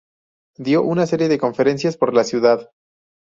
Dio una serie de conferencias por la ciudad.